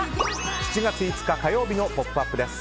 ７月５日、火曜日の「ポップＵＰ！」です。